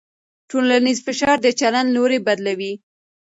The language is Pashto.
ټولنیز فشار د چلند لوری بدلوي.